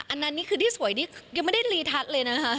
อันนั้นนี่คือที่สวยที่ยังไม่ได้รีทัศน์เลยนะคะ